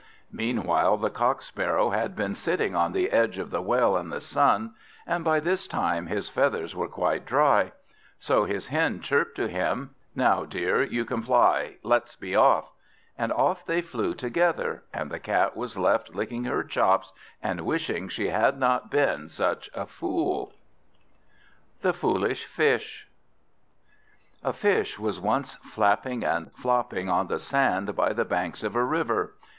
Meanwhile the Cock sparrow had been sitting on the edge of the well in the sun, and by this time his feathers were quite dry. So his Hen chirped to him, "Now, dear, you can fly, let's be off." And off they flew together, and the Cat was left licking her chops and wishing she had not been such a fool. The Foolish Fish A FISH was once flapping and flopping on the sand by the banks of a river.